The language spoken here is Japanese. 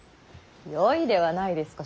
よいではないですか。